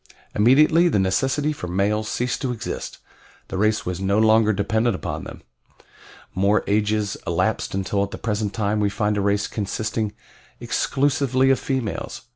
Immediately the necessity for males ceased to exist the race was no longer dependent upon them. More ages elapsed until at the present time we find a race consisting exclusively of females.